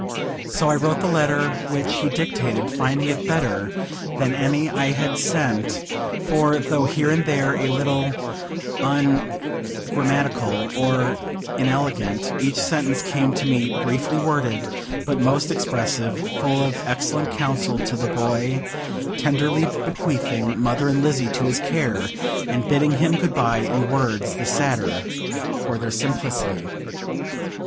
So I wrote the letter which he dictated, finding it better than any I had sent; for, though here and there a little ungrammatical or inelegant, each sentence came to me briefly worded, but most expressive; full of excellent counsel to the boy, tenderly bequeathing "mother and Lizzie" to his care, and bidding him good bye in words the sadder for their simplicity.